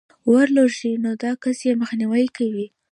ورلوېږي، نو دا كس ئې مخنيوى كوي